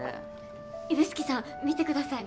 指宿さん見てください。